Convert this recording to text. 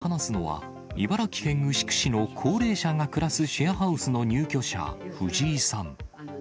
もうなんか、こう話すのは、茨城県牛久市の高齢者が暮らすシェアハウスの入居者、藤井さん。